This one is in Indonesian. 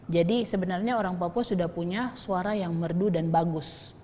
jadi sebenarnya orang papua sudah punya suara yang merdu dan bagus